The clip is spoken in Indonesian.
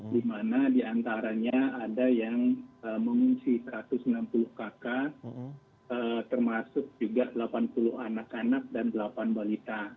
di mana diantaranya ada yang mengungsi satu ratus enam puluh kakak termasuk juga delapan puluh anak anak dan delapan balita